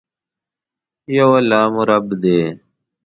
یو الله مو رب دي.